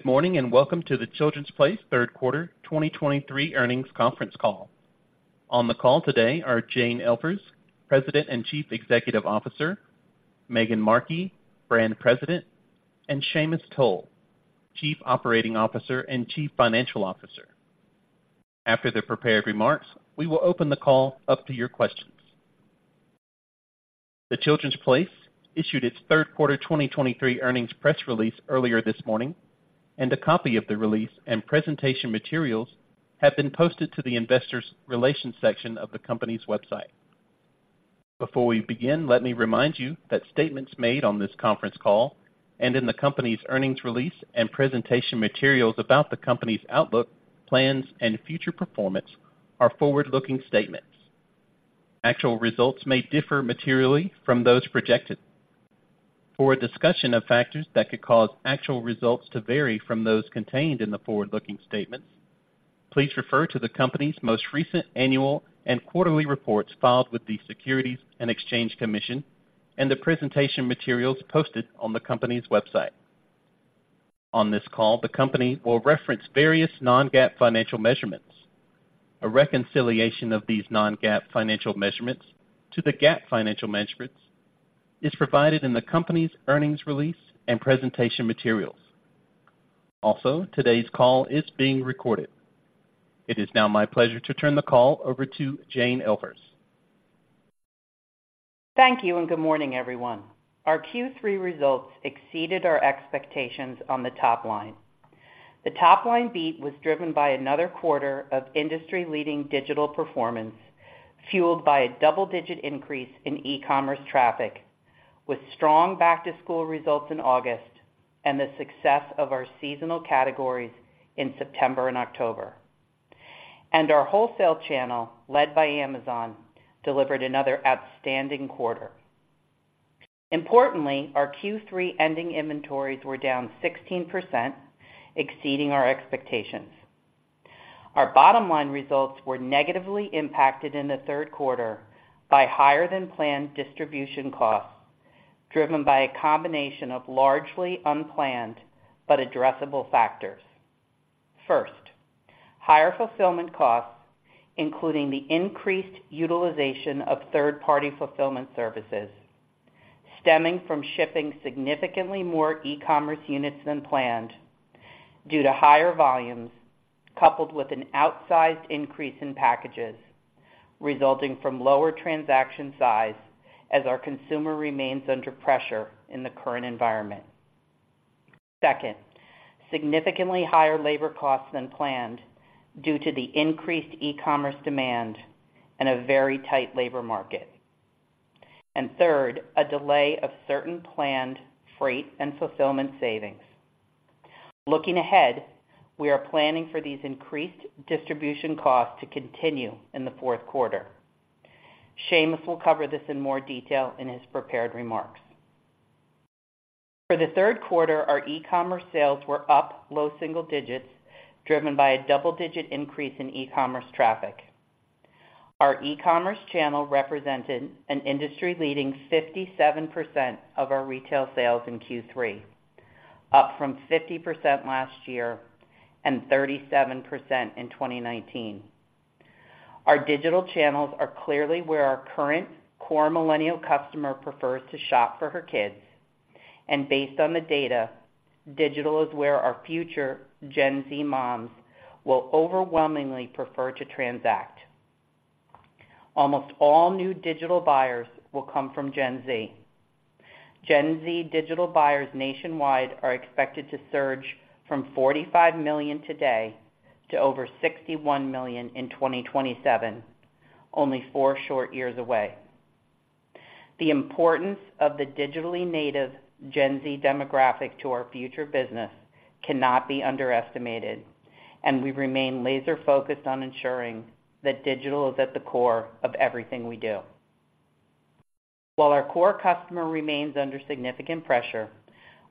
Good morning, and welcome to The Children's Place Q3 2023 earnings conference call. On the call today are Jane Elfers, President and Chief Executive Officer, Maegan Markee, Brand President, and Sheamus Toal, Chief Operating Officer and Chief Financial Officer. After the prepared remarks, we will open the call up to your questions. The Children's Place issued its Q3 2023 earnings press release earlier this morning, and a copy of the release and presentation materials have been posted to the investor relations section of the company's website. Before we begin, let me remind you that statements made on this conference call and in the company's earnings release and presentation materials about the company's outlook, plans, and future performance are forward-looking statements. Actual results may differ materially from those projected. For a discussion of factors that could cause actual results to vary from those contained in the forward-looking statements, please refer to the company's most recent annual and quarterly reports filed with the Securities and Exchange Commission and the presentation materials posted on the company's website. On this call, the company will reference various Non-GAAP financial measurements. A reconciliation of these Non-GAAP financial measurements to the GAAP financial measurements is provided in the company's earnings release and presentation materials. Also, today's call is being recorded. It is now my pleasure to turn the call over to Jane Elfers. Thank you, and good morning, everyone. Our Q3 results exceeded our expectations on the top line. The top line beat was driven by another quarter of industry-leading digital performance, fueled by a double-digit increase in e-commerce traffic, with strong back-to-school results in August and the success of our seasonal categories in September and October. And our wholesale channel, led by Amazon, delivered another outstanding quarter. Importantly, our Q3 ending inventories were down 16%, exceeding our expectations. Our bottom-line results were negatively impacted in the Q3 by higher-than-planned distribution costs, driven by a combination of largely unplanned but addressable factors. First, higher fulfillment costs, including the increased utilization of third-party fulfillment services, stemming from shipping significantly more e-commerce units than planned due to higher volumes, coupled with an outsized increase in packages resulting from lower transaction size as our consumer remains under pressure in the current environment. Second, significantly higher labor costs than planned due to the increased e-commerce demand and a very tight labor market. Third, a delay of certain planned freight and fulfillment savings. Looking ahead, we are planning for these increased distribution costs to continue in the Q4. Sheamus will cover this in more detail in his prepared remarks. For the Q3, our e-commerce sales were up low single digits, driven by a double-digit increase in e-commerce traffic. Our e-commerce channel represented an industry-leading 57% of our retail sales in Q3, up from 50% last year and 37% in 2019. Our digital channels are clearly where our current core Millennial customer prefers to shop for her kids, and based on the data, digital is where our future Gen Z moms will overwhelmingly prefer to transact. Almost all new digital buyers will come from Gen Z. Gen Z digital buyers nationwide are expected to surge from 45 million today to over 61 million in 2027, only 4 short years away. The importance of the digitally native Gen Z demographic to our future business cannot be underestimated, and we remain laser-focused on ensuring that digital is at the core of everything we do. While our core customer remains under significant pressure,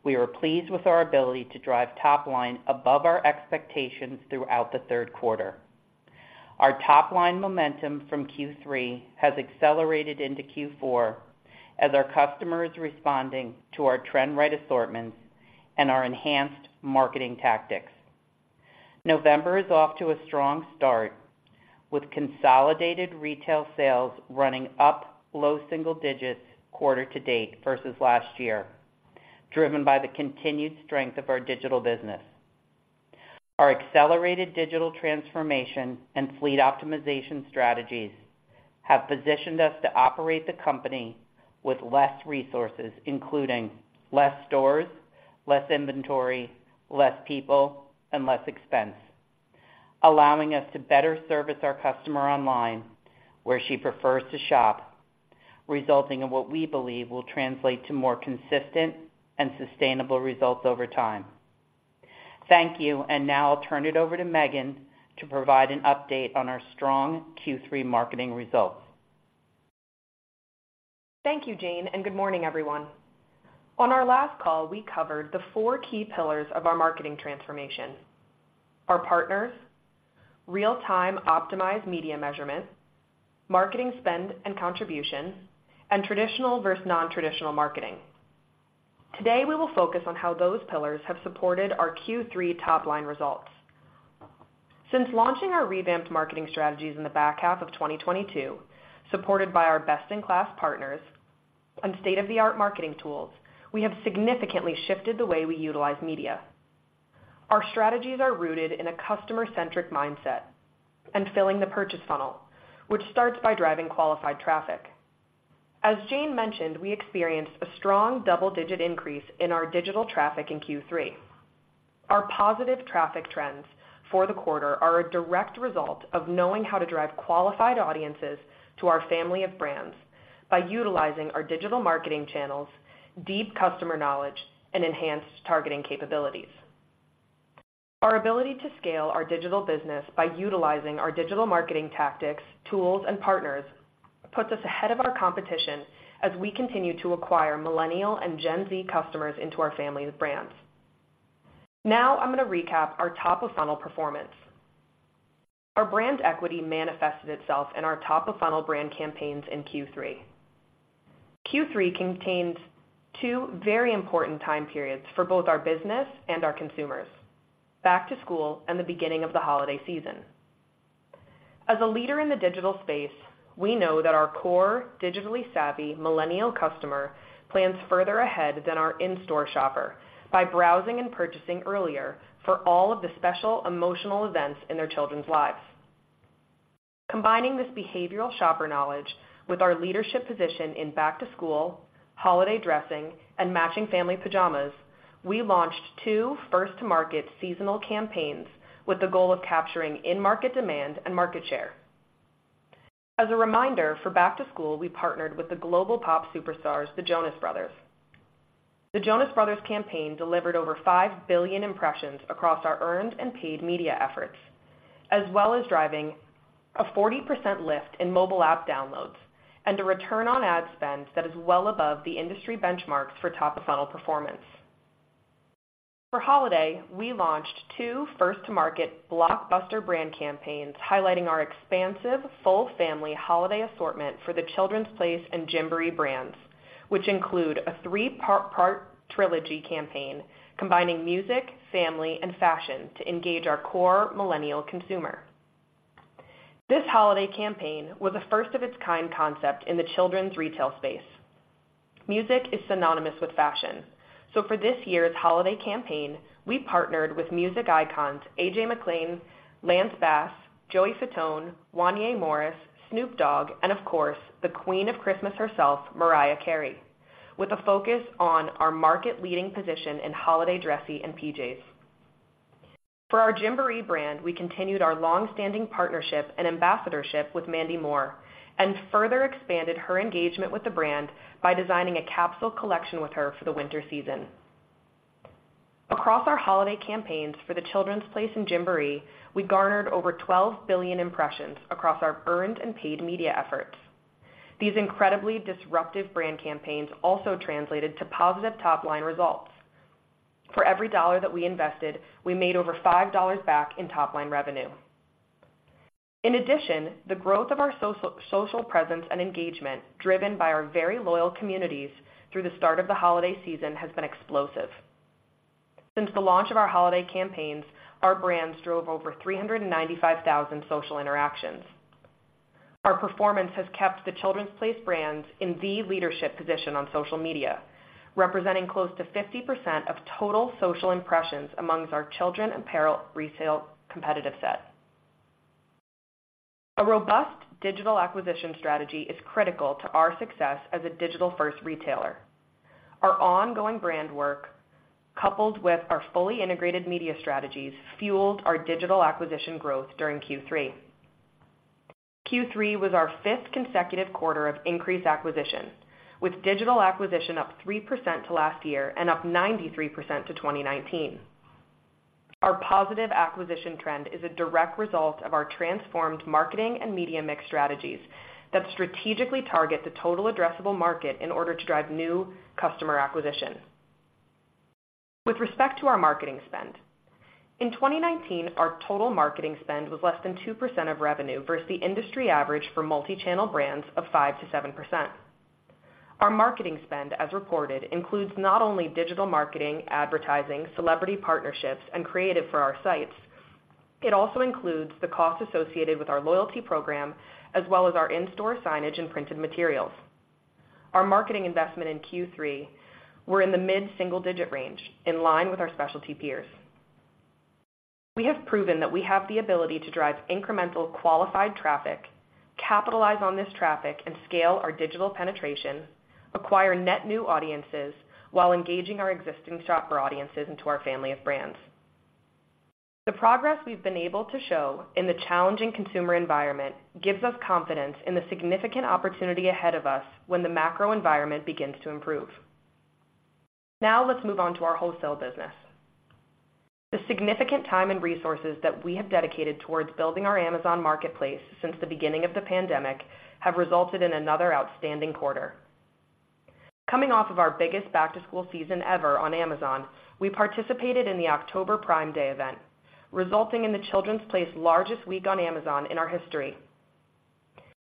we are pleased with our ability to drive top line above our expectations throughout the Q3. Our top-line momentum from Q3 has accelerated into Q4 as our customer is responding to our trend-right assortments and our enhanced marketing tactics. November is off to a strong start, with consolidated retail sales running up low single digits quarter to date versus last year, driven by the continued strength of our digital business. Our accelerated digital transformation and fleet optimization strategies have positioned us to operate the company with less resources, including less stores, less inventory, less people, and less expense, allowing us to better service our customer online, where she prefers to shop, resulting in what we believe will translate to more consistent and sustainable results over time. Thank you, and now I'll turn it over to Maegan to provide an update on our strong Q3 marketing results. Thank you, Jane, and good morning, everyone. On our last call, we covered the 4 key pillars of our marketing transformation: our partners, real-time optimized media measurements, marketing spend and contributions, and traditional versus non-traditional marketing. Today, we will focus on how those pillars have supported our Q3 top-line results. Since launching our revamped marketing strategies in the back half of 2022, supported by our best-in-class partners and state-of-the-art marketing tools, we have significantly shifted the way we utilize media. Our strategies are rooted in a customer-centric mindset and filling the purchase funnel, which starts by driving qualified traffic. As Jane mentioned, we experienced a strong double-digit increase in our digital traffic in Q3. Our positive traffic trends for the quarter are a direct result of knowing how to drive qualified audiences to our family of brands by utilizing our digital marketing channels, deep customer knowledge, and enhanced targeting capabilities. Our ability to scale our digital business by utilizing our digital marketing tactics, tools, and partners, puts us ahead of our competition as we continue to acquire Millennial and Gen Z customers into our family of brands. Now, I'm gonna recap our top-of-tunnel performance. Our brand equity manifested itself in our top-of-funnel brand campaigns in Q3. Q3 contained two very important time periods for both our business and our consumers: back to school and the beginning of the holiday season. As a leader in the digital space, we know that our core, digitally savvy Millennial customer plans further ahead than our in-store shopper by browsing and purchasing earlier for all of the special emotional events in their children's lives. Combining this behavioral shopper knowledge with our leadership position in back-to-school, holiday dressing, and matching family pajamas, we launched two first-to-market seasonal campaigns with the goal of capturing in-market demand and market share. As a reminder, for back-to-school, we partnered with the global pop superstars, the Jonas Brothers. The Jonas Brothers campaign delivered over 5 billion impressions across our earned and paid media efforts, as well as driving a 40% lift in mobile app downloads and a return on ad spend that is well above the industry benchmarks for top-of-funnel performance. For holiday, we launched two first-to-market blockbuster brand campaigns, highlighting our expansive, full family holiday assortment for The Children's Place and Gymboree brands, which include a three-part, part trilogy campaign combining music, family, and fashion to engage our core Millennial consumer. This holiday campaign was a first-of-its-kind concept in the children's retail space. Music is synonymous with fashion. So for this year's holiday campaign, we partnered with music icons AJ McLean, Lance Bass, Joey Fatone, Wanya Morris, Snoop Dogg, and of course, the Queen of Christmas herself, Mariah Carey, with a focus on our market-leading position in holiday dressy and PJs. For our Gymboree brand, we continued our long-standing partnership and ambassadorship with Mandy Moore, and further expanded her engagement with the brand by designing a capsule collection with her for the winter season. Across our holiday campaigns for the Children's Place and Gymboree, we garnered over 12 billion impressions across our earned and paid media efforts. These incredibly disruptive brand campaigns also translated to positive top-line results. For every dollar that we invested, we made over $5 back in top-line revenue. In addition, the growth of our social presence and engagement, driven by our very loyal communities through the start of the holiday season, has been explosive. Since the launch of our holiday campaigns, our brands drove over 395,000 social interactions. Our performance has kept the Children's Place brands in the leadership position on social media, representing close to 50% of total social impressions among our children's apparel retail competitive set. A robust digital acquisition strategy is critical to our success as a digital-first retailer. Our ongoing brand work, coupled with our fully integrated media strategies, fueled our digital acquisition growth during Q3. Q3 was our fifth consecutive quarter of increased acquisition, with digital acquisition up 3% to last year and up 93% to 2019. Our positive acquisition trend is a direct result of our transformed marketing and media mix strategies that strategically target the total addressable market in order to drive new customer acquisition. With respect to our marketing spend, in 2019, our total marketing spend was less than 2% of revenue versus the industry average for multi-channel brands of 5%-7%. Our marketing spend, as reported, includes not only digital marketing, advertising, celebrity partnerships, and creative for our sites, it also includes the cost associated with our loyalty program, as well as our in-store signage and printed materials. Our marketing investment in Q3 was in the mid-single-digit range, in line with our specialty peers. We have proven that we have the ability to drive incremental qualified traffic, capitalize on this traffic, and scale our digital penetration, acquire net new audiences while engaging our existing shopper audiences into our family of brands. The progress we've been able to show in the challenging consumer environment gives us confidence in the significant opportunity ahead of us when the macro environment begins to improve. Now, let's move on to our wholesale business. The significant time and resources that we have dedicated toward building our Amazon marketplace since the beginning of the pandemic have resulted in another outstanding quarter... Coming off of our biggest back-to-school season ever on Amazon, we participated in the October Prime Day event, resulting in The Children's Place largest week on Amazon in our history.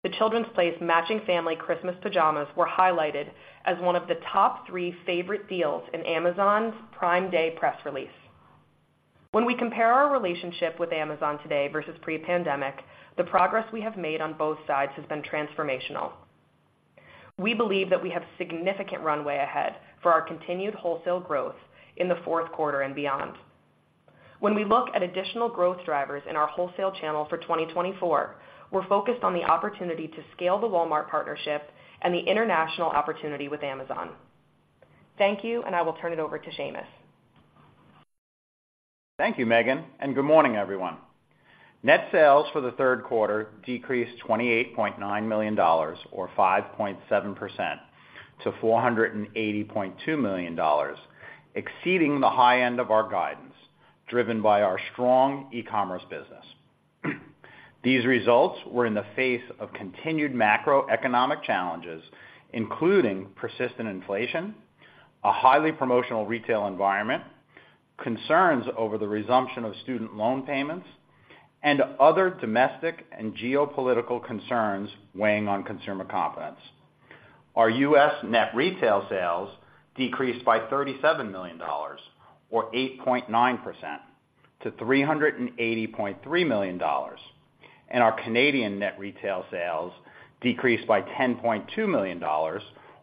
The Children's Place matching family Christmas pajamas were highlighted as one of the top three favorite deals in Amazon's Prime Day press release. When we compare our relationship with Amazon today versus pre-pandemic, the progress we have made on both sides has been transformational. We believe that we have significant runway ahead for our continued wholesale growth in the Q4 and beyond. When we look at additional growth drivers in our wholesale channel for 2024, we're focused on the opportunity to scale the Walmart partnership and the international opportunity with Amazon. Thank you, and I will turn it over to Sheamus. Thank you, Maegan, and good morning, everyone. Net sales for the Q3 decreased $28.9 million, or 5.7%, to $480.2 million, exceeding the high end of our guidance, driven by our strong e-commerce business. These results were in the face of continued macroeconomic challenges, including persistent inflation, a highly promotional retail environment, concerns over the resumption of student loan payments, and other domestic and geopolitical concerns weighing on consumer confidence. Our U.S. net retail sales decreased by $37 million, or 8.9%, to $380.3 million, and our Canadian net retail sales decreased by $10.2 million,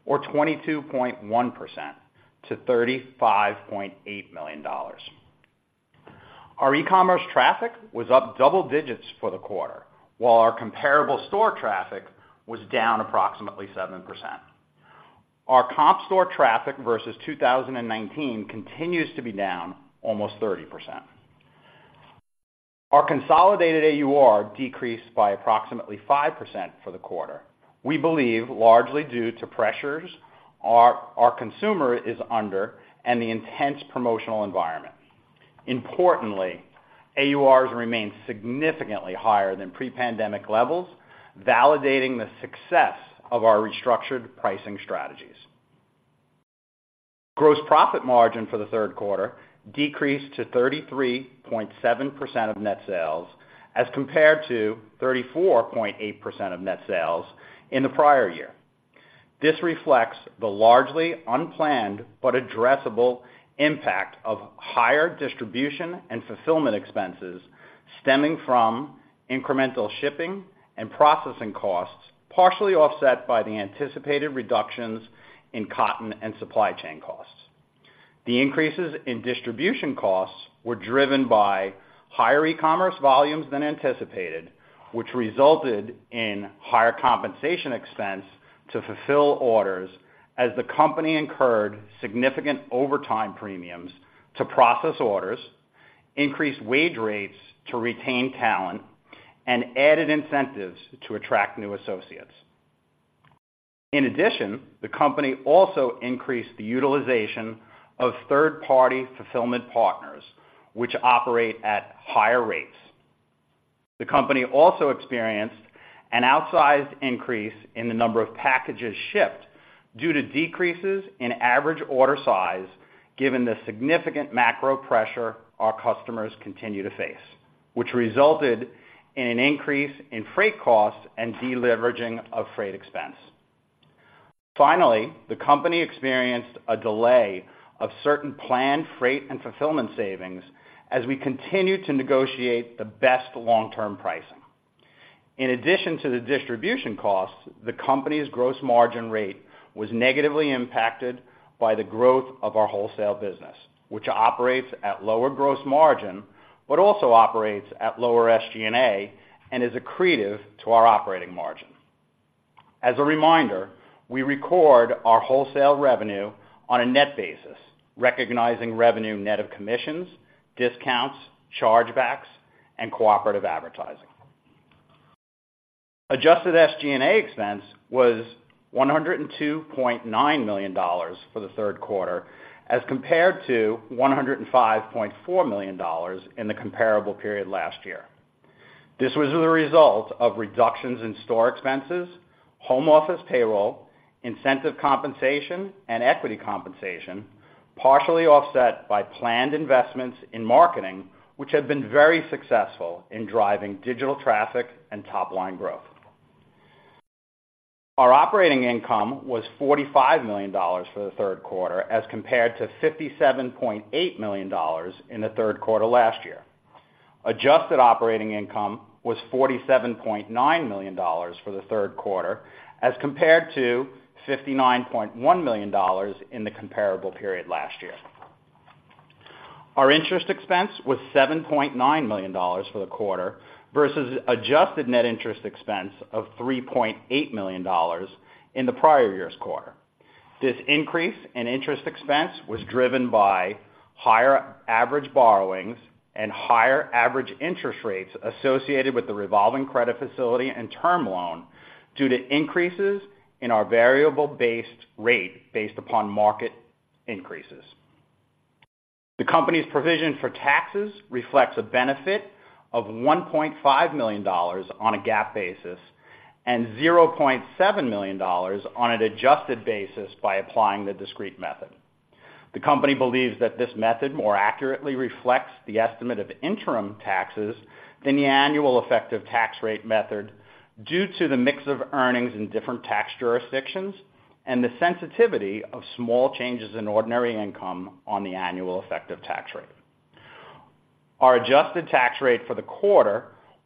or 22.1%, to $35.8 million. Our e-commerce traffic was up double digits for the quarter, while our comparable store traffic was down approximately 7%. Our comp store traffic versus 2019 continues to be down almost 30%. Our consolidated AUR decreased by approximately 5% for the quarter. We believe, largely due to pressures our consumer is under and the intense promotional environment. Importantly, AURs remain significantly higher than pre-pandemic levels, validating the success of our restructured pricing strategies. Gross profit margin for the third quarter decreased to 33.7% of net sales, as compared to 34.8% of net sales in the prior year. This reflects the largely unplanned but addressable impact of higher distribution and fulfillment expenses stemming from incremental shipping and processing costs, partially offset by the anticipated reductions in cotton and supply chain costs. The increases in distribution costs were driven by higher e-commerce volumes than anticipated, which resulted in higher compensation expense to fulfill orders as the company incurred significant overtime premiums to process orders, increased wage rates to retain talent, and added incentives to attract new associates. In addition, the company also increased the utilization of third-party fulfillment partners, which operate at higher rates. The company also experienced an outsized increase in the number of packages shipped due to decreases in average order size, given the significant macro pressure our customers continue to face, which resulted in an increase in freight costs and deleveraging of freight expense. Finally, the company experienced a delay of certain planned freight and fulfillment savings as we continued to negotiate the best long-term pricing. In addition to the distribution costs, the company's gross margin rate was negatively impacted by the growth of our wholesale business, which operates at lower gross margin, but also operates at lower SG&A and is accretive to our operating margin. As a reminder, we record our wholesale revenue on a net basis, recognizing revenue net of commissions, discounts, chargebacks, and cooperative advertising. Adjusted SG&A expense was $102.9 million for the Q3, as compared to $105.4 million in the comparable period last year. This was the result of reductions in store expenses, home office payroll, incentive compensation, and equity compensation, partially offset by planned investments in marketing, which have been very successful in driving digital traffic and top-line growth. Our operating income was $45 million for the Q3, as compared to $57.8 million in the Q3 last year. Adjusted operating income was $47.9 million for the Q3, as compared to $59.1 million in the comparable period last year. Our interest expense was $7.9 million for the quarter versus adjusted net interest expense of $3.8 million in the prior year's quarter. This increase in interest expense was driven by higher average borrowings and higher average interest rates associated with the revolving credit facility and term loan due to increases in our variable-based rate based upon market increases. The company's provision for taxes reflects a benefit of $1.5 million on a GAAP basis and $0.7 million on an adjusted basis by applying the discrete method. The company believes that this method more accurately reflects the estimate of interim taxes than the annual effective tax rate method, due to the mix of earnings in different tax jurisdictions and the sensitivity of small changes in ordinary income on the annual effective tax rate. Our adjusted tax rate for the quarter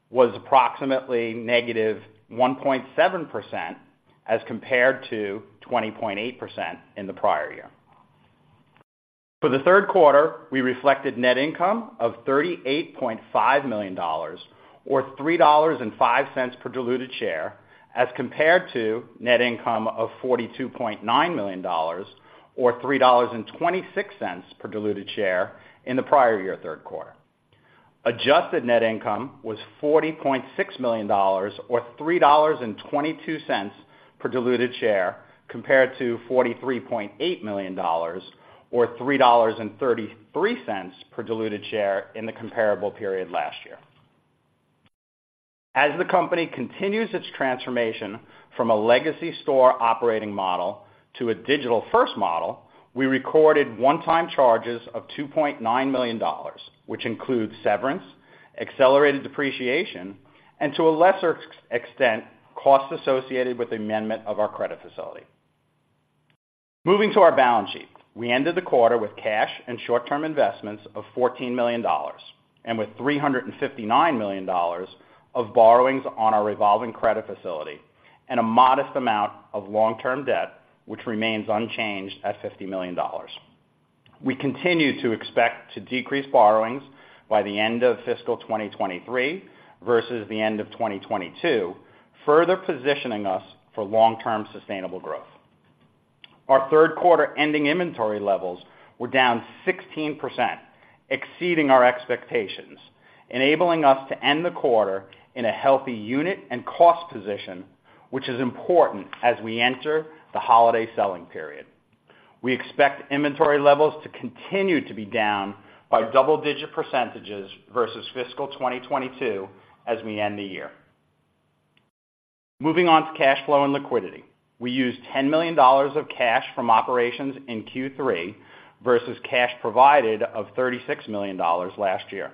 was approximately negative 1.7%, as compared to 20.8% in the prior year. For the Q3, we reflected net income of $38.5 million, or $3.05 per diluted share, as compared to net income of $42.9 million, or $3.26 per diluted share in the prior year Q3. Adjusted net income was $40.6 million, or $3.22 per diluted share, compared to $43.8 million or $3.33 per diluted share in the comparable period last year. As the company continues its transformation from a legacy store operating model to a digital-first model, we recorded one-time charges of $2.9 million, which includes severance, accelerated depreciation, and to a lesser extent, costs associated with the amendment of our credit facility. Moving to our balance sheet. We ended the quarter with cash and short-term investments of $14 million, and with $359 million of borrowings on our revolving credit facility, and a modest amount of long-term debt, which remains unchanged at $50 million. We continue to expect to decrease borrowings by the end of fiscal 2023 versus the end of 2022, further positioning us for long-term sustainable growth. Our Q3 ending inventory levels were down 16%, exceeding our expectations, enabling us to end the quarter in a healthy unit and cost position, which is important as we enter the holiday selling period. We expect inventory levels to continue to be down by double-digit percentages versus fiscal 2022 as we end the year. Moving on to cash flow and liquidity. We used $10 million of cash from operations in Q3 versus cash provided of $36 million last year.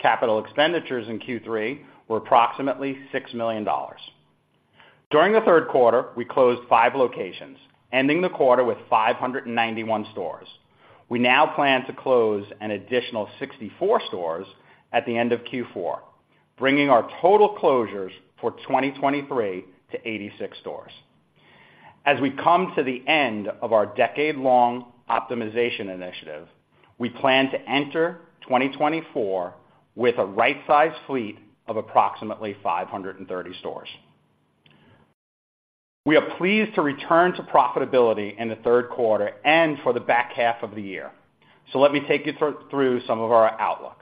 Capital expenditures in Q3 were approximately $6 million. During the Q3, we closed 5 locations, ending the quarter with 591 stores. We now plan to close an additional 64 stores at the end of Q4, bringing our total closures for 2023 to 86 stores. As we come to the end of our decade-long optimization initiative, we plan to enter 2024 with a right-sized fleet of approximately 530 stores. We are pleased to return to profitability in the Q3 and for the back half of the year. So let me take you through some of our outlook.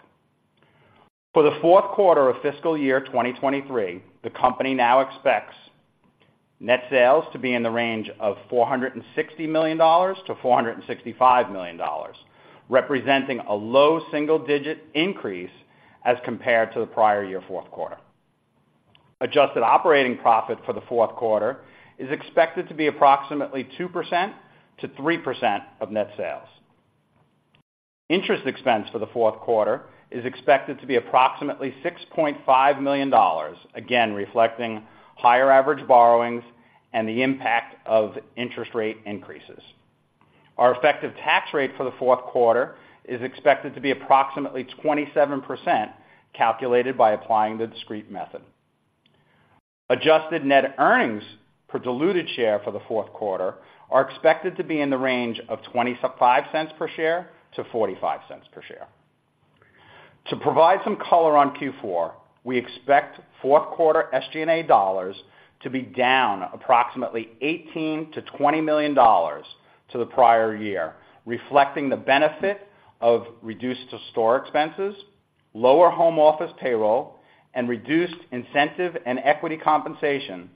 For the Q4 of fiscal year 2023, the company now expects net sales to be in the range of $460 million-$465 million, representing a low single-digit increase as compared to the prior year Q4. Adjusted operating profit for the Q4 is expected to be approximately 2%-3% of net sales. Interest expense for the Q4 is expected to be approximately $6.5 million, again, reflecting higher average borrowings and the impact of interest rate increases. Our effective tax rate for the Q4 is expected to be approximately 27%, calculated by applying the discrete method. Adjusted net earnings per diluted share for the Q4 are expected to be in the range of $0.25-$0.45 per share. To provide some color on Q4, we expect Q4 SG&A dollars to be down approximately $18 million-$20 million to the prior year, reflecting the benefit of reduced store expenses, lower home office payroll, and reduced incentive and equity compensation,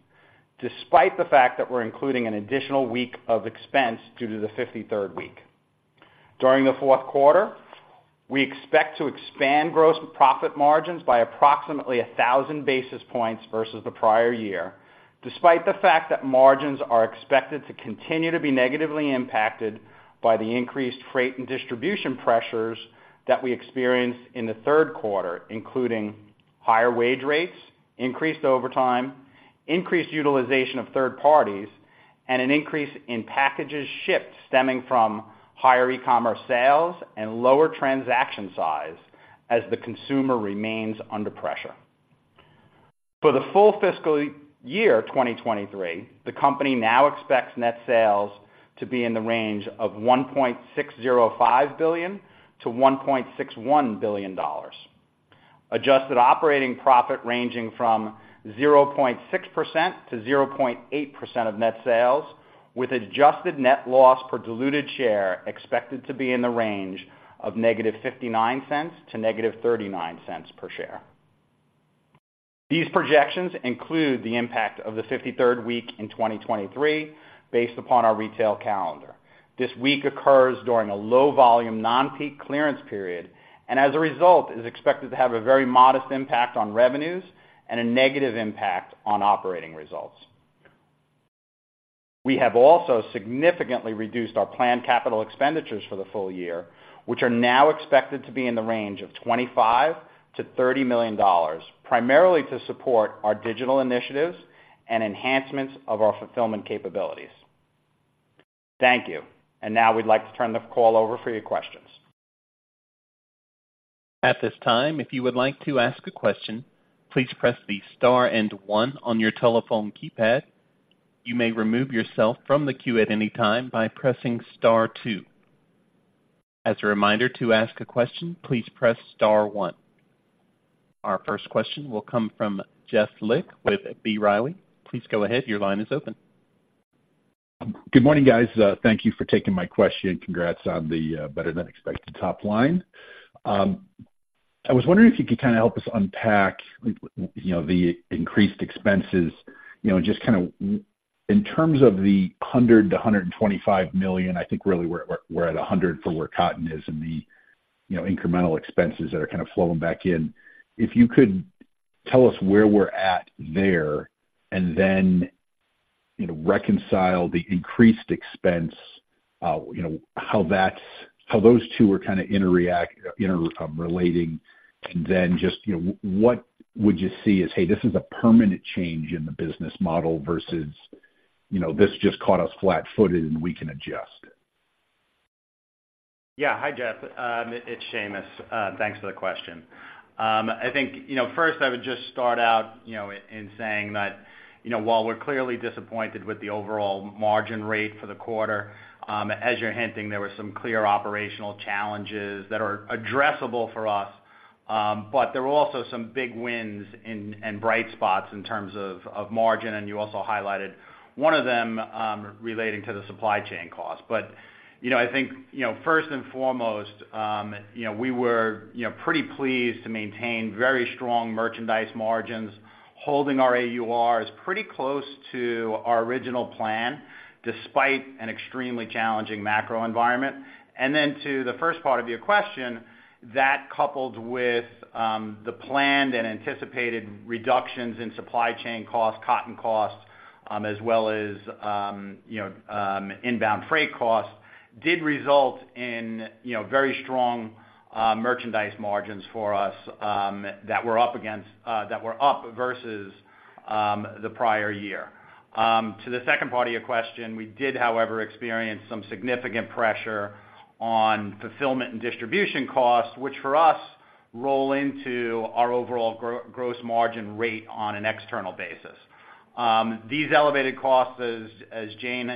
despite the fact that we're including an additional week of expense due to the 53rd week. During the Q4, we expect to expand gross profit margins by approximately 1000 basis points versus the prior year, despite the fact that margins are expected to continue to be negatively impacted by the increased freight and distribution pressures that we experienced in the Q3, including higher wage rates, increased overtime, increased utilization of third parties, and an increase in packages shipped stemming from higher e-commerce sales and lower transaction size as the consumer remains under pressure. For the full fiscal year 2023, the company now expects net sales to be in the range of $1.605 billion-$1.61 billion. Adjusted operating profit ranging from 0.6% to 0.8% of net sales, with adjusted net loss per diluted share expected to be in the range of -$0.59 to -$0.39 per share.... These projections include the impact of the 53rd week in 2023, based upon our retail calendar. This week occurs during a low-volume, non-peak clearance period, and as a result, is expected to have a very modest impact on revenues and a negative impact on operating results. We have also significantly reduced our planned capital expenditures for the full year, which are now expected to be in the range of $25 million-$30 million, primarily to support our digital initiatives and enhancements of our fulfillment capabilities. Thank you. And now we'd like to turn the call over for your questions. At this time, if you would like to ask a question, please press the star and one on your telephone keypad. You may remove yourself from the queue at any time by pressing star two. As a reminder, to ask a question, please press star one. Our first question will come from Jeff Lick with B. Riley. Please go ahead. Your line is open. Good morning, guys. Thank you for taking my question, and congrats on the better-than-expected top line. I was wondering if you could kind of help us unpack you know, the increased expenses, you know, just kind of in terms of the $100 million-$125 million. I think really we're at 100 for where cotton is in the you know, incremental expenses that are kind of flowing back in. If you could tell us where we're at there, and then you know, reconcile the increased expense you know, how that's how those two are kind of interrelating, and then just you know what would you see as, hey, this is a permanent change in the business model versus you know, this just caught us flat-footed and we can adjust? Yeah. Hi, Jeff, it's Sheamus. Thanks for the question. I think, you know, first, I would just start out, you know, in saying that, you know, while we're clearly disappointed with the overall margin rate for the quarter, as you're hinting, there were some clear operational challenges that are addressable for us, but there were also some big wins and bright spots in terms of margin, and you also highlighted one of them, relating to the supply chain costs. But, you know, I think, you know, first and foremost, you know, we were, you know, pretty pleased to maintain very strong merchandise margins, holding our AURs pretty close to our original plan, despite an extremely challenging macro environment. And then to the first part of your question, that coupled with the planned and anticipated reductions in supply chain costs, cotton costs, as well as you know inbound freight costs, did result in you know very strong merchandise margins for us that were up versus the prior year. To the second part of your question, we did, however, experience some significant pressure on fulfillment and distribution costs, which for us roll into our overall gross margin rate on an external basis. These elevated costs, as Jane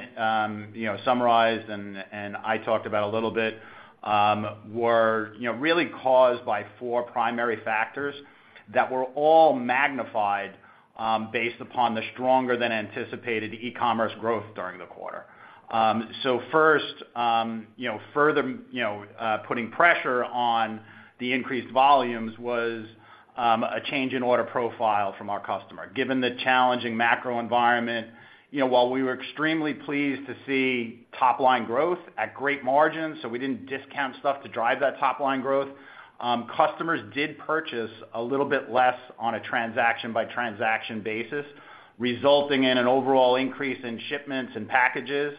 you know summarized and I talked about a little bit, were you know really caused by four primary factors that were all magnified based upon the stronger-than-anticipated e-commerce growth during the quarter. So first, you know, further, you know, putting pressure on the increased volumes was a change in order profile from our customer. Given the challenging macro environment, you know, while we were extremely pleased to see top-line growth at great margins, so we didn't discount stuff to drive that top-line growth, customers did purchase a little bit less on a transaction-by-transaction basis, resulting in an overall increase in shipments and packages,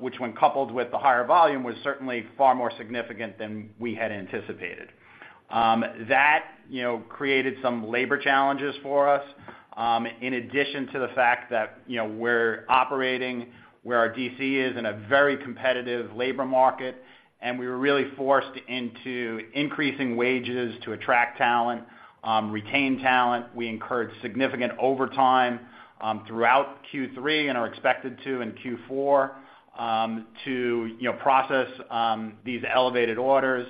which, when coupled with the higher volume, was certainly far more significant than we had anticipated. That, you know, created some labor challenges for us, in addition to the fact that, you know, we're operating where our DC is in a very competitive labor market, and we were really forced into increasing wages to attract talent, retain talent. We incurred significant overtime throughout Q3 and are expected to in Q4 to you know process these elevated orders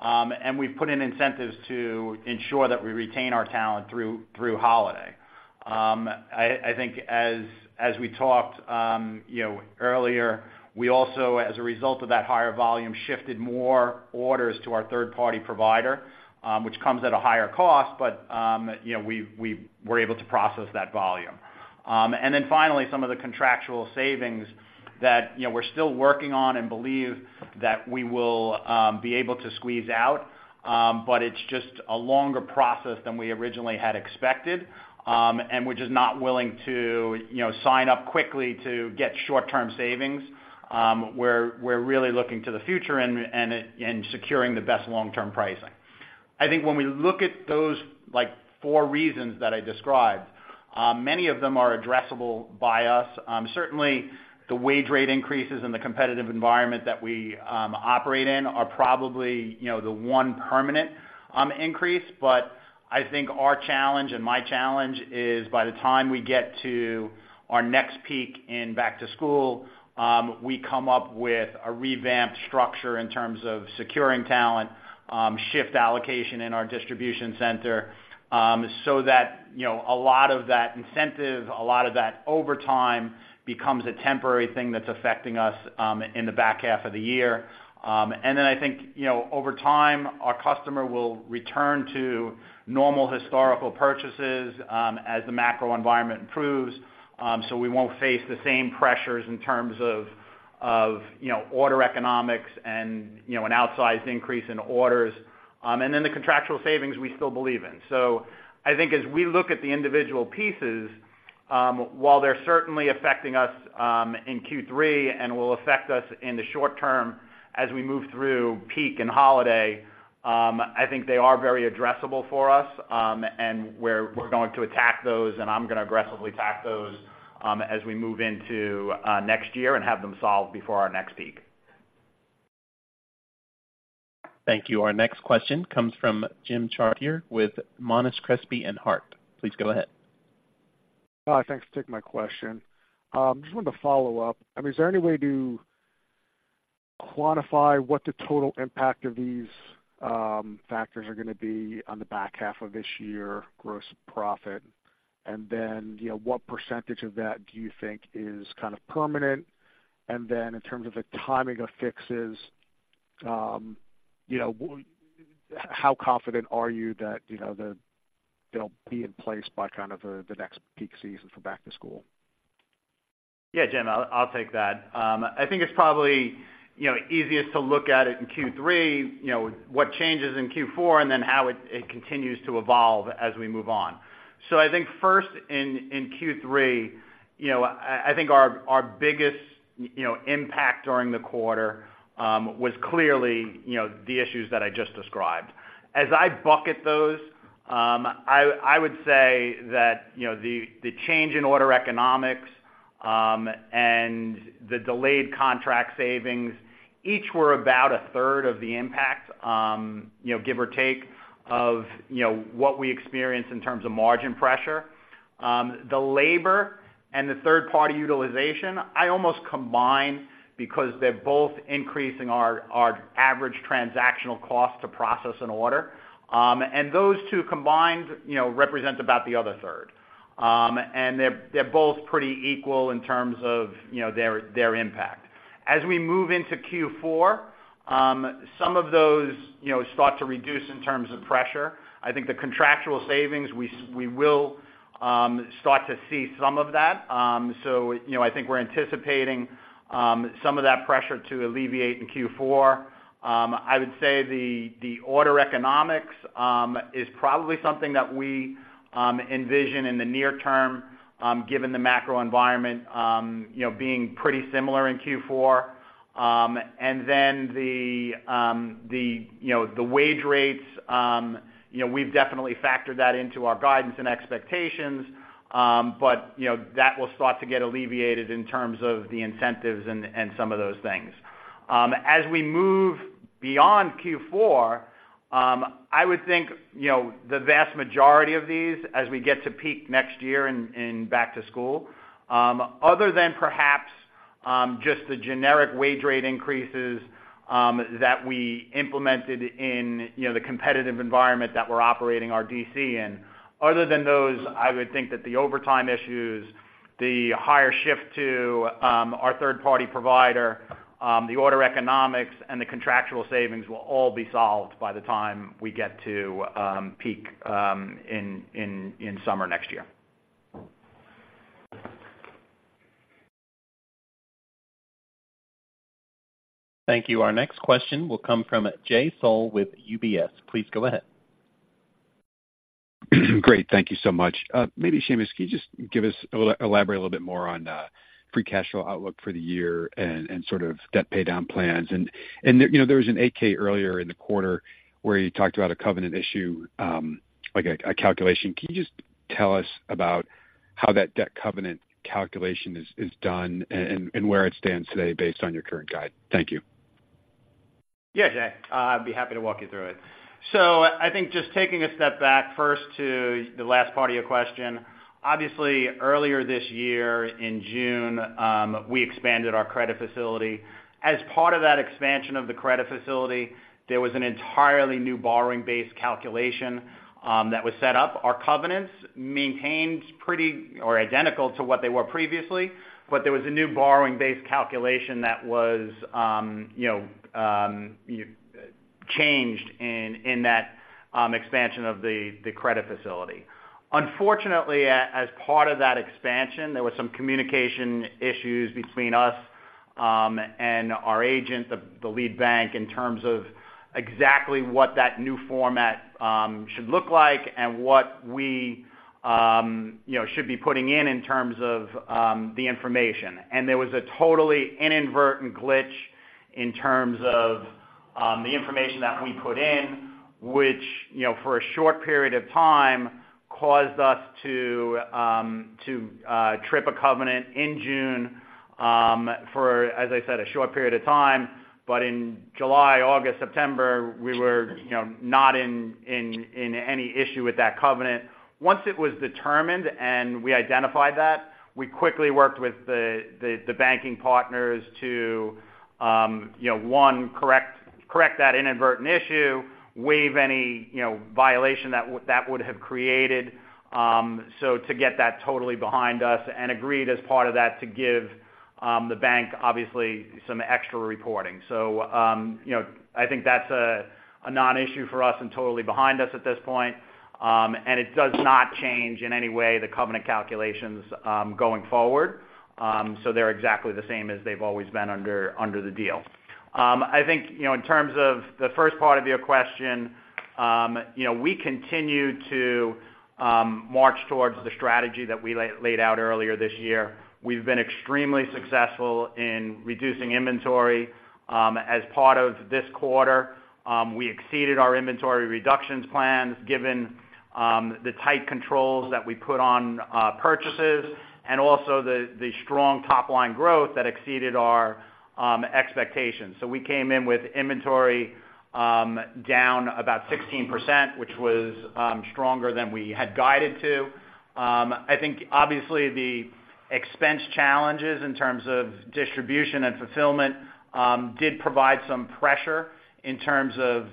and we've put in incentives to ensure that we retain our talent through holiday. I think as we talked you know earlier we also as a result of that higher volume shifted more orders to our third-party provider which comes at a higher cost but you know we were able to process that volume. And then finally some of the contractual savings that you know we're still working on and believe that we will be able to squeeze out but it's just a longer process than we originally had expected and we're just not willing to you know sign up quickly to get short-term savings. We're really looking to the future and securing the best long-term pricing. I think when we look at those, like, four reasons that I described, many of them are addressable by us. Certainly, the wage rate increases and the competitive environment that we operate in are probably, you know, the one permanent increase. But I think our challenge and my challenge is, by the time we get to our next peak in back-to-school we come up with a revamped structure in terms of securing talent, shift allocation in our distribution center, so that, you know, a lot of that incentive, a lot of that overtime becomes a temporary thing that's affecting us in the back half of the year. And then I think, you know, over time, our customer will return to normal historical purchases, as the macro environment improves. So we won't face the same pressures in terms of, you know, order economics and, you know, an outsized increase in orders. And then the contractual savings we still believe in. So I think as we look at the individual pieces, while they're certainly affecting us, in Q3 and will affect us in the short term as we move through peak and holiday, I think they are very addressable for us, and we're going to attack those, and I'm gonna aggressively attack those, as we move into next year and have them solved before our next peak. Thank you. Our next question comes from Jim Chartier with Monness, Crespi, Hardt. Please go ahead. Thanks for taking my question. Just wanted to follow up. I mean, is there any way to quantify what the total impact of these, factors are gonna be on the back half of this year, gross profit? And then, you know, what percentage of that do you think is kind of permanent? And then in terms of the timing of fixes, you know, how confident are you that, you know, they'll be in place by kind of the next peak season for back to school? Yeah, Jim, I'll take that. I think it's probably, you know, easiest to look at it in Q3, you know, what changes in Q4, and then how it continues to evolve as we move on. So I think first in Q3, you know, I think our biggest, you know, impact during the quarter was clearly, you know, the issues that I just described. As I bucket those, I would say that, you know, the change in order economics and the delayed contract savings each were about a third of the impact, you know, give or take, of, you know, what we experienced in terms of margin pressure. The labor and the third-party utilization, I almost combine because they're both increasing our average transactional cost to process an order. And those two combined, you know, represents about the other third. And they're, they're both pretty equal in terms of, you know, their, their impact. As we move into Q4, some of those, you know, start to reduce in terms of pressure. I think the contractual savings, we will start to see some of that. So, you know, I think we're anticipating some of that pressure to alleviate in Q4. I would say the, the order economics is probably something that we envision in the near term, given the macro environment, you know, being pretty similar in Q4. And then the wage rates, you know, we've definitely factored that into our guidance and expectations, but, you know, that will start to get alleviated in terms of the incentives and some of those things. As we move beyond Q4, I would think, you know, the vast majority of these, as we get to peak next year in back to school, other than perhaps just the generic wage rate increases that we implemented in the competitive environment that we're operating our DC in. Other than those, I would think that the overtime issues, the higher shift to our third-party provider, the order economics, and the contractual savings will all be solved by the time we get to peak in summer next year. Thank you. Our next question will come from Jay Sole with UBS. Please go ahead. Great. Thank you so much. Maybe Sheamus, can you just give us, elaborate a little bit more on free cash flow outlook for the year and sort of debt paydown plans? And you know, there was an 8-K earlier in the quarter where you talked about a covenant issue, like a calculation. Can you just tell us about how that debt covenant calculation is done and where it stands today based on your current guide? Thank you. Yeah, Jay, I'd be happy to walk you through it. So I think just taking a step back first to the last part of your question. Obviously, earlier this year, in June, we expanded our credit facility. As part of that expansion of the credit facility, there was an entirely new borrowing base calculation that was set up. Our covenants maintained pretty much identical to what they were previously, but there was a new borrowing base calculation that was, you know, changed in that expansion of the credit facility. Unfortunately, as part of that expansion, there were some communication issues between us and our agent, the lead bank, in terms of exactly what that new format should look like and what we, you know, should be putting in, in terms of the information. There was a totally inadvertent glitch in terms of the information that we put in, which, you know, for a short period of time, caused us to trip a covenant in June for, as I said, a short period of time, but in July, August, September, we were, you know, not in any issue with that covenant. Once it was determined and we identified that, we quickly worked with the banking partners to, you know, one, correct that inadvertent issue, waive any violation that would have created, so to get that totally behind us, and agreed as part of that, to give the bank, obviously, some extra reporting. So, you know, I think that's a non-issue for us and totally behind us at this point. And it does not change in any way the covenant calculations, going forward. They're exactly the same as they've always been under the deal. I think, you know, in terms of the first part of your question, you know, we continue to march towards the strategy that we laid out earlier this year. We've been extremely successful in reducing inventory. As part of this quarter, we exceeded our inventory reductions plans, given the tight controls that we put on purchases and also the strong top-line growth that exceeded our expectations. We came in with inventory down about 16%, which was stronger than we had guided to. I think obviously, the expense challenges in terms of distribution and fulfillment did provide some pressure in terms of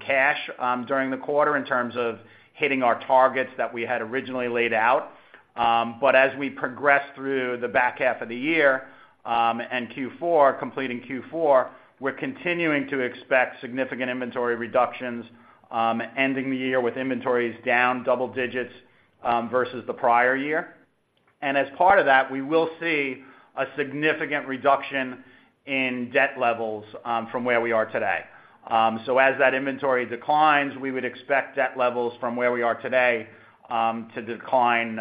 cash during the quarter, in terms of hitting our targets that we had originally laid out. But as we progress through the back half of the year and Q4, completing Q4, we're continuing to expect significant inventory reductions, ending the year with inventories down double digits versus the prior year. And as part of that, we will see a significant reduction in debt levels from where we are today. So as that inventory declines, we would expect debt levels from where we are today to decline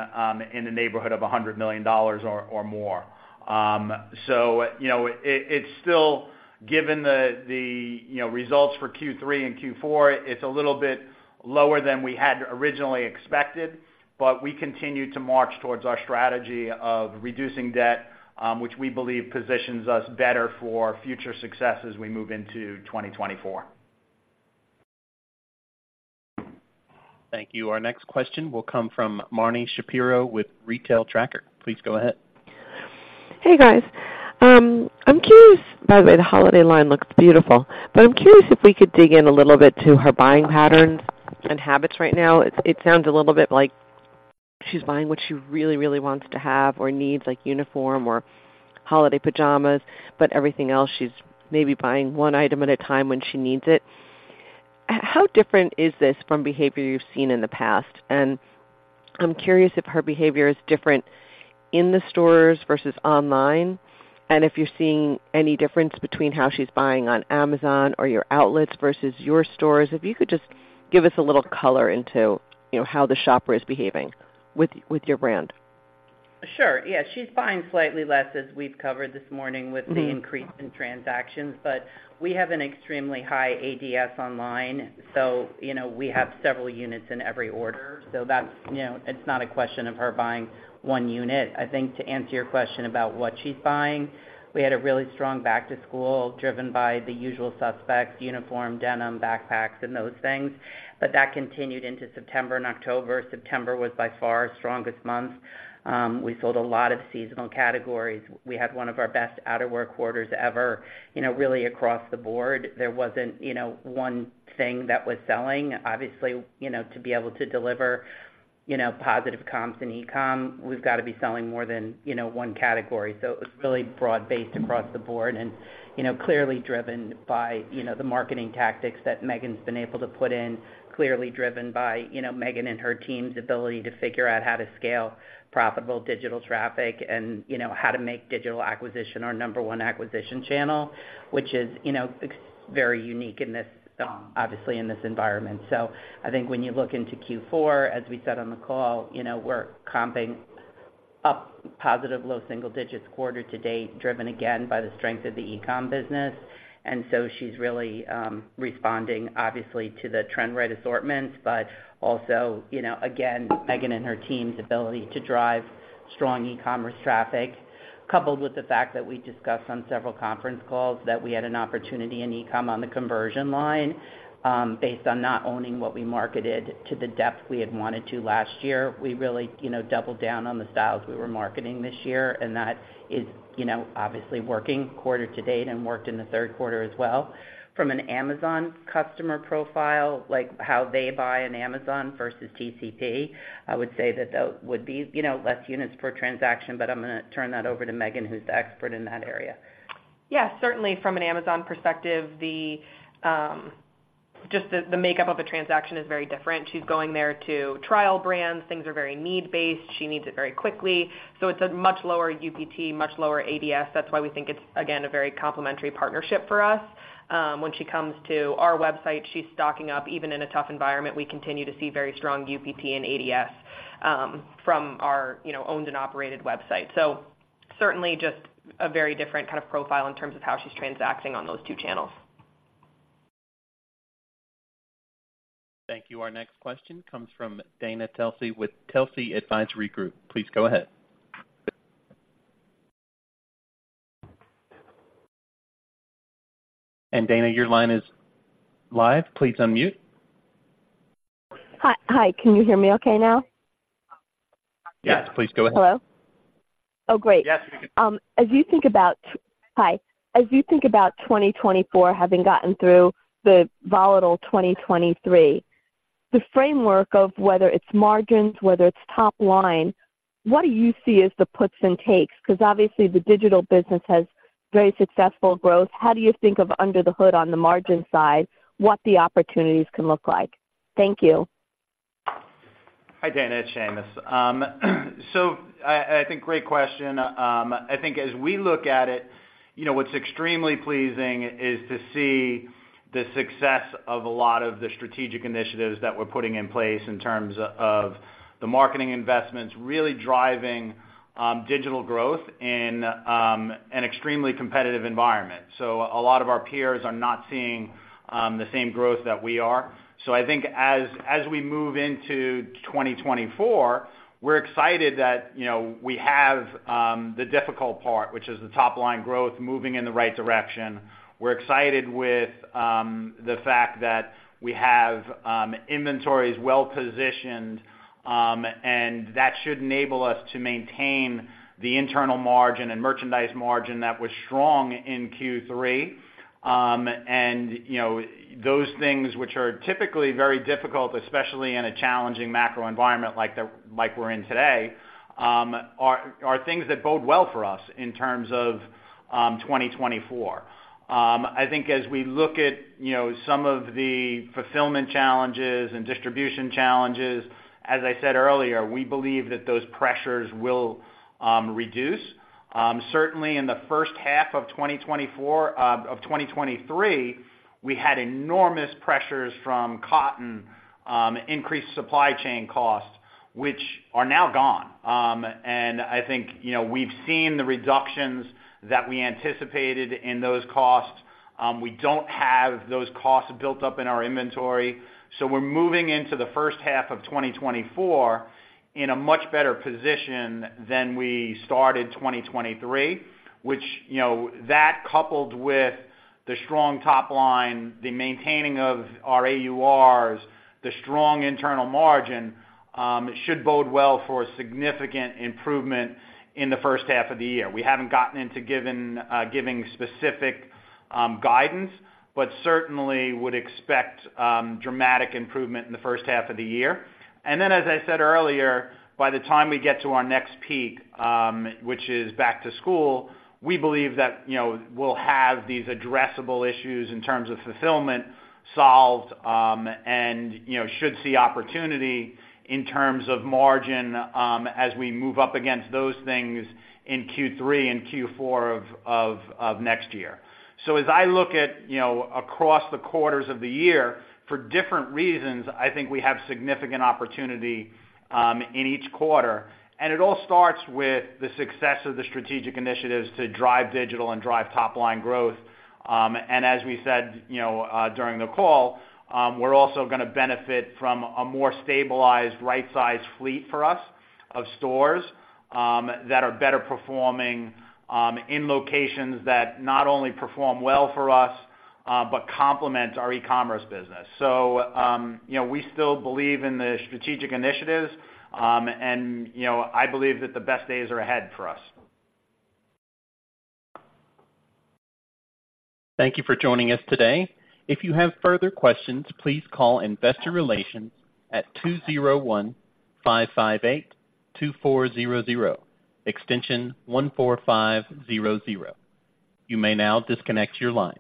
in the neighborhood of $100 million or more. So you know, it's still, given the results for Q3 and Q4, a little bit lower than we had originally expected, but we continue to march towards our strategy of reducing debt, which we believe positions us better for future success as we move into 2024. Thank you. Our next question will come from Marni Shapiro with Retail Tracker. Please go ahead. Hey, guys. I'm curious... By the way, the holiday line looks beautiful. But I'm curious if we could dig in a little bit to her buying patterns and habits right now. It sounds a little bit like she's buying what she really, really wants to have or needs, like uniform or holiday pajamas, but everything else, she's maybe buying 1 item at a time when she needs it. How different is this from behavior you've seen in the past? And I'm curious if her behavior is different in the stores versus online, and if you're seeing any difference between how she's buying on Amazon or your outlets versus your stores. If you could just give us a little color into, you know, how the shopper is behaving with your brand. Sure. Yeah. She's buying slightly less, as we've covered this morning, with the increase in transactions, but we have an extremely high ADS online, so, you know, we have several units in every order. So that's, you know, it's not a question of her buying 1 unit. I think, to answer your question about what she's buying, we had a really strong back to school, driven by the usual suspects: uniform, denim, backpacks, and those things. But that continued into September and October. September was by far our strongest month. We sold a lot of seasonal categories. We had one of our best outerwear quarters ever, you know, really across the board. There wasn't, you know, one thing that was selling. Obviously, you know, to be able to deliver, you know, positive comps in e-com, we've got to be selling more than, you know, one category. So it was really broad-based across the board and, you know, clearly driven by, you know, the marketing tactics that Maegan's been able to put in. Clearly driven by, you know, Maegan and her team's ability to figure out how to scale profitable digital traffic and, you know, how to make digital acquisition our number one acquisition channel, which is, you know, very unique in this, obviously, in this environment. So I think when you look into Q4, as we said on the call, you know, we're comping up positive, low single digits quarter to date, driven again by the strength of the e-com business. So she's really, responding obviously, to the trend-right assortment, but also, you know, again, Maegan and her team's ability to drive strong e-commerce traffic, coupled with the fact that we discussed on several conference calls that we had an opportunity in e-com on the conversion line, based on not owning what we marketed to the depth we had wanted to last year. We really, you know, doubled down on the styles we were marketing this year, and that is, you know, obviously working quarter to date and worked in the Q3 as well. From an Amazon customer profile, like how they buy on Amazon versus TCP, I would say that that would be, you know, less units per transaction, but I'm gonna turn that over to Maegan, who's the expert in that area. Yeah, certainly from an Amazon perspective, just the makeup of a transaction is very different. She's going there to trial brands. Things are very need-based. She needs it very quickly. So it's a much lower UPT, much lower ADS. That's why we think it's, again, a very complementary partnership for us. When she comes to our website, she's stocking up. Even in a tough environment, we continue to see very strong UPT and ADS, from our, you know, owned and operated website. So certainly, just a very different kind of profile in terms of how she's transacting on those two channels. Thank you. Our next question comes from Dana Telsey with Telsey Advisory Group. Please go ahead. And Dana, your line is live. Please unmute.... Hi, hi. Can you hear me okay now? Yes, please go ahead. Hello? Oh, great. Yes. As you think about 2024 having gotten through the volatile 2023, the framework of whether it's margins, whether it's top line, what do you see as the puts and takes? Because obviously, the digital business has very successful growth. How do you think of under the hood on the margin side, what the opportunities can look like? Thank you. Hi, Dana, it's Sheamus. So, I think great question. I think as we look at it, you know, what's extremely pleasing is to see the success of a lot of the strategic initiatives that we're putting in place in terms of the marketing investments, really driving digital growth in an extremely competitive environment. So a lot of our peers are not seeing the same growth that we are. So I think as we move into 2024, we're excited that, you know, we have the difficult part, which is the top line growth, moving in the right direction. We're excited with the fact that we have inventories well-positioned, and that should enable us to maintain the internal margin and merchandise margin that was strong in Q3. And, you know, those things which are typically very difficult, especially in a challenging macro environment like we're in today, are things that bode well for us in terms of 2024. I think as we look at, you know, some of the fulfillment challenges and distribution challenges, as I said earlier, we believe that those pressures will reduce. Certainly, in the first half of 2024, of 2023, we had enormous pressures from cotton, increased supply chain costs, which are now gone. And I think, you know, we've seen the reductions that we anticipated in those costs. We don't have those costs built up in our inventory, so we're moving into the first half of 2024 in a much better position than we started 2023, which, you know, that coupled with the strong top line, the maintaining of our AURs, the strong internal margin, should bode well for a significant improvement in the first half of the year. We haven't gotten into giving, giving specific, guidance, but certainly would expect, dramatic improvement in the first half of the year. Then, as I said earlier, by the time we get to our next peak, which is back to school, we believe that, you know, we'll have these addressable issues in terms of fulfillment solved, and, you know, should see opportunity in terms of margin, as we move up against those things in Q3 and Q4 of next year. So as I look at, you know, across the quarters of the year, for different reasons, I think we have significant opportunity in each quarter, and it all starts with the success of the strategic initiatives to drive digital and drive top line growth. And as we said, you know, during the call, we're also gonna benefit from a more stabilized, right-sized fleet for us, of stores, that are better performing, in locations that not only perform well for us, but complement our e-commerce business. So, you know, we still believe in the strategic initiatives, and, you know, I believe that the best days are ahead for us. Thank you for joining us today. If you have further questions, please call investor relations at 201-558-2400, extension 14500. You may now disconnect your line.